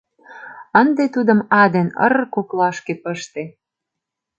Ынде тудым а ден р коклашке пыште.